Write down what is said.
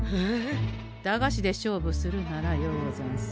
駄菓子で勝負するならようござんす。